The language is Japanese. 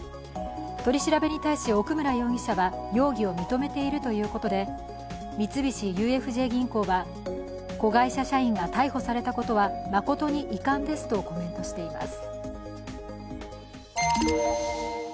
取り調べに対し奥村容疑者は容疑を認めているということで三菱ＵＦＪ銀行は子会社社員が逮捕されたことは誠に遺憾ですとコメントしています。